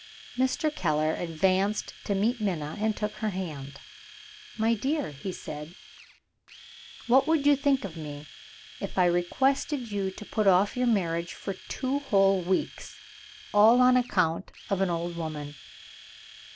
Mr. Keller advanced to meet Minna, and took her hand. "My dear," he said, "what would you think of me, if I requested you to put off your marriage for two whole weeks and all on account of an old woman?"